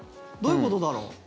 どういうことだろう。